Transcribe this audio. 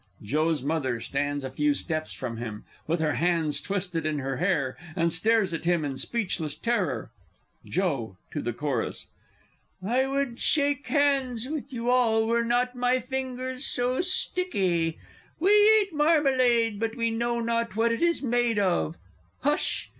[JOE'S Mother stands a few steps from him, with her hands twisted in her hair, and stares at him in speechless terror. Joe (to the Chorus). I would shake hands with you all, were not my fingers so sticky. We eat marmalade, but we know not what it is made of. Hush!